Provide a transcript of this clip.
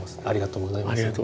ありがとうございます。